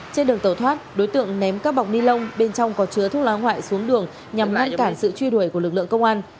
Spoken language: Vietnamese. trên đường tàu thoát đối tượng ném các bọc ni lông bên trong có chứa thuốc lá ngoại xuống đường nhằm ngăn cản sự truy đuổi của lực lượng công an